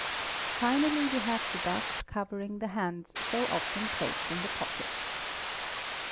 finally we have the dust covering the hands so often placed in the pockets.